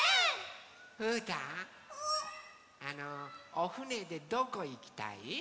おふねでどこいきたい？